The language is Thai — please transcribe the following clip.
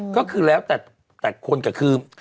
ก็คือแล้วแต่คนก็คือ